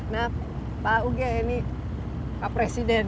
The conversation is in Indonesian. nah pak uge ini pak presiden